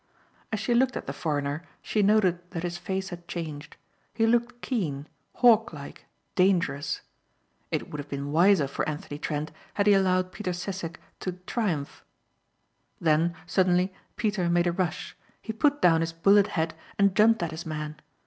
As she looked at the foreigner she noted that his face had changed. He looked keen, hawklike, dangerous. It would have been wiser for Anthony Trent had he allowed Peter Sissek to triumph. Then, suddenly, Peter made a rush. He put down his bullet head and jumped at his man.